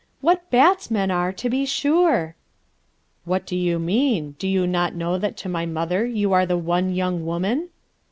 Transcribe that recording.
What bats men are, to be sure !" "What do you mean? Do you not know that to my mother you are the one young woman?"